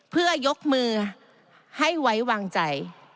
เพื่อยกมือให้ไว้วางใจ